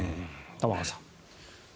玉川さん。